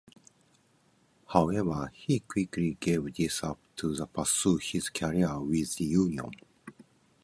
However, he quickly gave this up to pursue his career with the union.